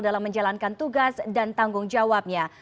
dalam menjalankan tugas dan tanggung jawabnya